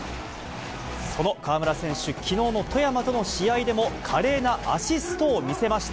その河村選手、きのうの富山との試合でも、華麗なアシストを見せました。